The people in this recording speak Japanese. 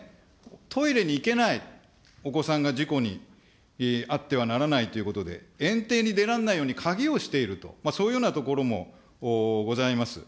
トイレに行けない、お子さんが事故に遭ってはならないということで、園庭に出られないように鍵をしていると、そういうような所もございます。